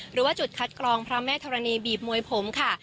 หรือว่าจุดคัดกรองพระแม่ธรณีบีบมวยผมค่ะ